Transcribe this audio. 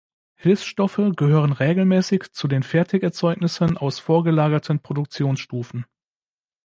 Hilfsstoffe gehören regelmäßig zu den "Fertigerzeugnissen aus vorgelagerten Produktionsstufen".